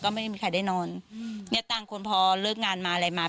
ไม่มีใครได้นอนอืมเนี้ยต่างคนพอเลิกงานมาอะไรมา